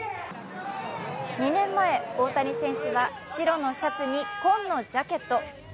２年前、大谷選手は白のシャツに紺のジャケット。